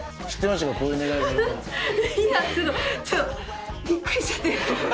ちょっとちょっとびっくりしちゃって。